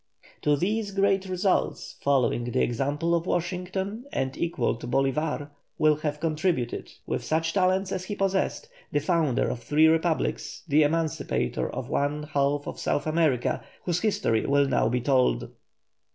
To these great results, following the example of Washington and equal to Bolívar, will have contributed, with such talents as he possessed, the founder of three republics, the emancipator of one half of South America, whose history will now be told.